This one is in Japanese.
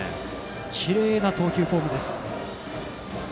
きれいな投球フォームです。